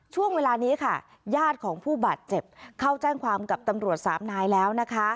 ช่วงเวลานี้ค่ะญาติของผู้บาดเจ็บเข้าแจ้งความกับตำรวจสามนายแล้วนะคะ